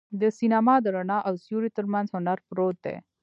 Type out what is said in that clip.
د سینما د رڼا او سیوري تر منځ هنر پروت دی.